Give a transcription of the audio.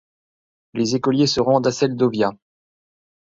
Les écoliers se rendent à Seldovia.